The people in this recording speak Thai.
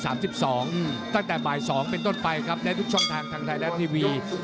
ตั้งแต่บ่าย๒เป็นต้นไปครับและทุกช่องทางทางไทยรัฐทีวี